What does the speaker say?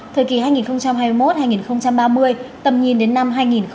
thời kỳ hai nghìn hai mươi một hai nghìn ba mươi tầm nhìn đến năm hai nghìn năm mươi